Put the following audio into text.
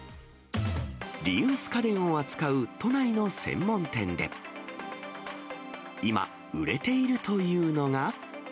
リユース家電を扱う都内の専門店で、今、売れているというのが。